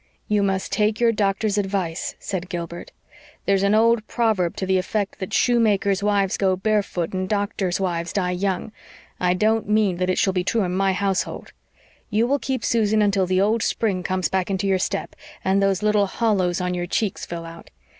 "You must take your doctor's advice," said Gilbert. "There's an old proverb to the effect that shoemakers' wives go barefoot and doctors' wives die young. I don't mean that it shall be true in my household. You will keep Susan until the old spring comes back into your step, and those little hollows on your cheeks fill out."